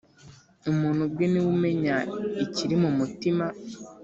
Umuntu ubwe niwe umenya ikirimumutima.